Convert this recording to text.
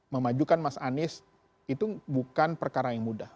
memajukan mas anies itu bukan perkara yang mudah